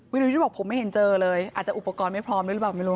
รยุทธ์บอกผมไม่เห็นเจอเลยอาจจะอุปกรณ์ไม่พร้อมด้วยหรือเปล่าไม่รู้